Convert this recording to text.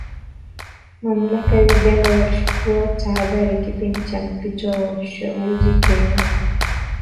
Mamlaka Uganda zachukua tahadhari kipindi cha mpito wa uchaguzi Kenya